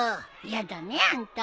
やだねあんた。